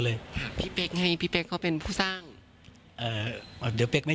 เรื่องอะไรก็ได้